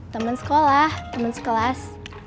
temen sekolah temen sekelas